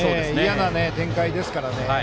嫌な展開ですからね。